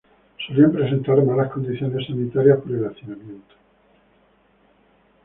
Solían presentar malas condiciones sanitarias, por el hacinamiento.